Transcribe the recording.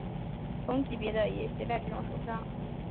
同级别的也携带这种手杖。